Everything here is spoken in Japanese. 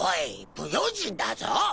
不用心だぞ！